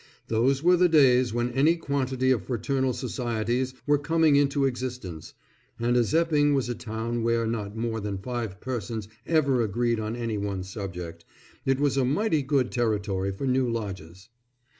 Those were the days, when any quantity of fraternal societies were coming into existence, and as Epping was a town where not more than five persons ever agreed on any one subject, it was a mighty good territory for new lodges.